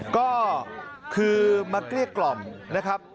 ก็คือมาเกลี้ยกล่อมนะครับ